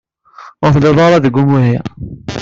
Ur telliḍ ara deg umihi.